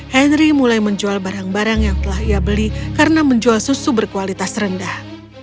henry mulai menjual barang barang yang telah ia beli karena menjual susu berkualitas rendah